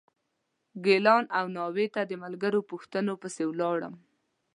ګیلان او ناوې ته د ملګرو پوښتنو پسې ولاړم.